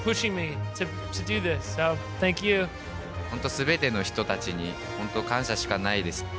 本当、すべての人たちに本当感謝しかないです。